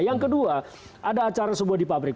yang kedua ada acara sebuah di pabrik